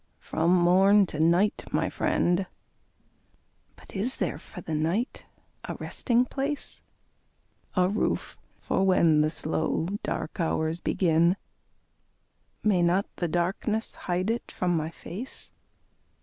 From morn to night, my friend. But is there for the night a resting place? A roof for when the slow dark hours begin. May not the darkness hide it from my face?